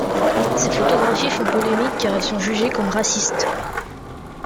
Ces photographies font polémique car elles sont jugées comme racistes.